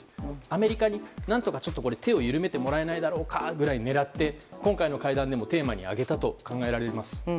アメリカに何とか手を緩めてもらえないだろうかと考えて今回の会談でもテーマに挙げたと考えられます。